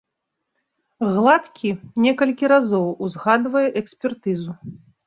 Гладкі некалькі разоў узгадвае экспертызу.